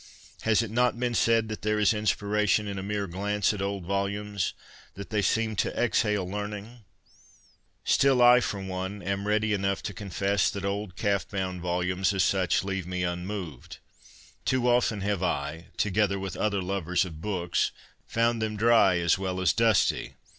Has it not been said that there is in spiration in a mere glance at old volumes ; that they seem to exhale learning ? Still, I, for one, am ready enough to confess that old calf bound volumes as such leave me unmoved. Too often have I, together with other lovers of books, found them dry, as well as dusty.